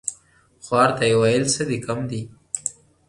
خوار ته يې ويل څه دي کم دي ؟